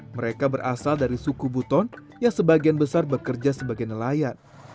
mereka berasal dari suku buton yang sebagian besar bekerja sebagai nelayan